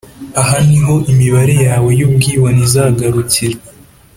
aha ni ho imiraba yawe y’ubwibone izagarukira’’